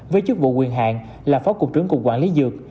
với chức vụ quyền hạn là phó cục trưởng cục quản lý dược